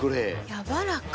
やわらか。